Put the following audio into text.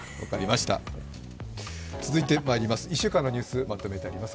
続いてまいります、１週間のニュースまとめてあります。